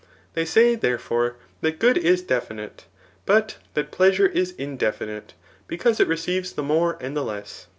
They say, therefore, that good is definite, but that pleasure is indefinite, because it receives the more and the less.